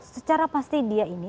secara pasti dia ini